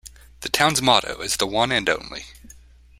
The town's motto is The One and Only.